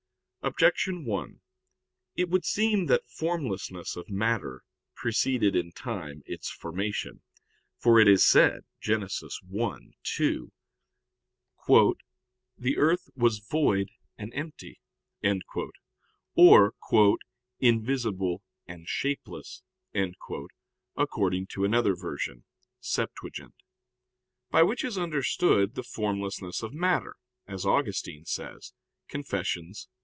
1] Objection 1: It would seem that formlessness of matter preceded in time its formation. For it is said (Gen. 1:2): "The earth was void and empty," or "invisible and shapeless," according to another version [*Septuagint]; by which is understood the formlessness of matter, as Augustine says (Confess.